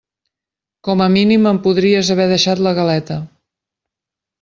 Com a mínim em podries haver deixat la galeta.